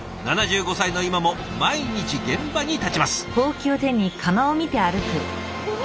７５歳の今も毎日現場に立ちます。